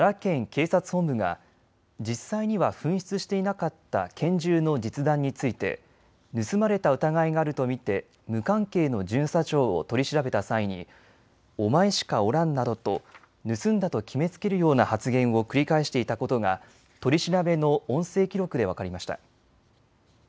警察本部が実際には紛失していなかった拳銃の実弾について盗まれた疑いがあると見て無関係の巡査長を取り調べた際にお前しかおらんなどと盗んだと決めつけるような発言を繰り返していたことが取り調べの音声記録で分かりました。